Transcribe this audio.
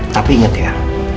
tapi inget ya